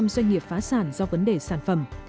bốn mươi hai doanh nghiệp phá sản do vấn đề sản phẩm